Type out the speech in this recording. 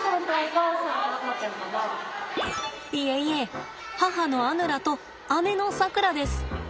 いえいえ母のアヌラと姉のさくらです。